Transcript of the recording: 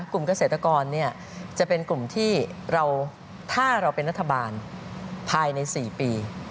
กลุ่มเกษตรกรจะเป็นกลุ่มที่ถ้าเราเป็นรัฐบาลภายใน๔ปี